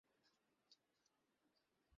আগামীবার দেখা যাবে।